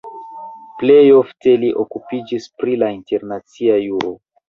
Plej ofte li okupiĝis pri la internacia juro.